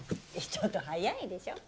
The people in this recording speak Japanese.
ちょっと早いでしょ。